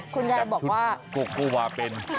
แต่ชุดกุกกุวาเป็น